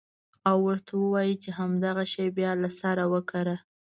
او ورته ووايې چې همدغه شى بيا له سره وکره.